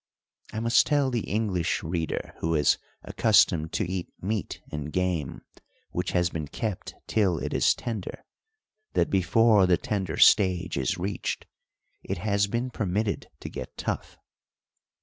I must tell the English reader who is accustomed to eat meat and game which has been kept till it is tender, that before the tender stage is reached it has been permitted to get tough.